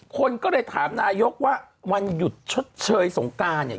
คนก็เลยถามนายกว่าวันหยุดชดเชยสงการเนี่ย